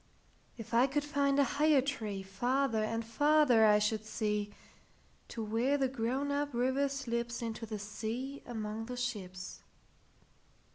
If I could find a higher treeFarther and farther I should see, To where the grown up river slipsInto the sea among the ships.